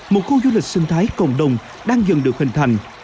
một khu du lịch sinh thái cộng đồng đang dần được hình thành